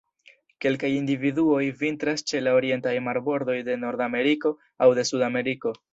Kelkaj individuoj vintras ĉe la orientaj marbordoj de Nordameriko aŭ de Sudameriko.